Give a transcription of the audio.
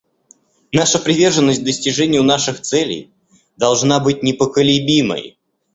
Наша приверженность достижению наших целей должна быть непоколебимой.